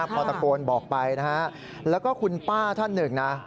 พอตะโกนบอกไปนะฮะแล้วก็คุณป้าท่านหนึ่งนะ